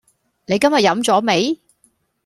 你今日飲咗未？